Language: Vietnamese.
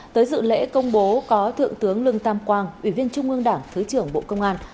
tới dự lễ công bố có thượng tướng lương tam quang ủy viên trung ương đảng thứ trưởng bộ công an